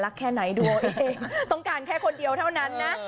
เอ้อรักแค่ไหนดูเอ่ต้องการแค่คนเดียวแท่นั้นนะ